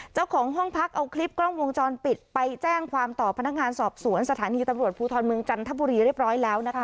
เจ้าของห้องพักเอาคลิปกล้องวงจรปิดไปแจ้งความต่อพนักงานสอบสวนสถานีตำรวจภูทรเมืองจันทบุรีเรียบร้อยแล้วนะคะ